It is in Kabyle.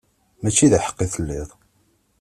Mačči d aḥeqqi i telliḍ.